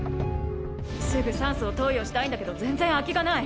すぐ酸素を投与したいんだけど全然空きがない。